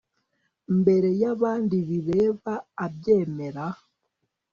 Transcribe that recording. mbere y abandi bireba abyemera